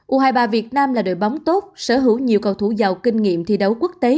u hai mươi ba việt nam là đội bóng tốt sở hữu nhiều cầu thủ giàu kinh nghiệm thi đấu quốc tế